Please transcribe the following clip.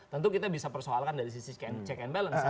tentu kita bisa persoalkan dari sisi check and balance